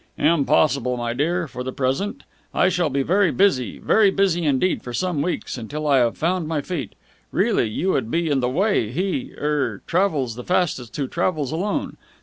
"Impossible, my dear, for the present. I shall be very busy, very busy indeed for some weeks, until I have found my feet. Really, you would be in the way. He er travels the fastest who travels alone!